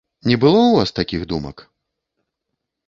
Не было ў вас такіх думак?